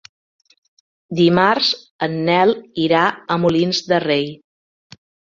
Dimarts en Nel irà a Molins de Rei.